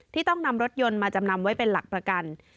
ต้องนำรถยนต์มาจำนำไว้เป็นหลักประกัน